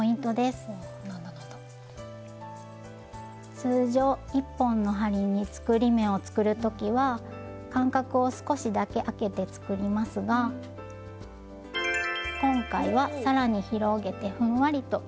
通常１本の針に作り目を作る時は間隔を少しだけあけて作りますが今回は更に広げてふんわりと緩めに作ります。